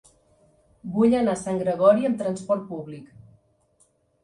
Vull anar a Sant Gregori amb trasport públic.